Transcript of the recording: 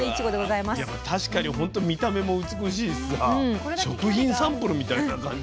いや確かにほんと見た目も美しいしさ食品サンプルみたいな感じだよね。